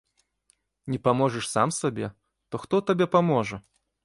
Не паможаш сам сабе, то хто табе паможа!